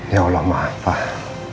ya allah maaf pak